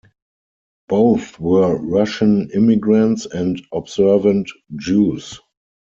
Both were Russian immigrants and observant Jews.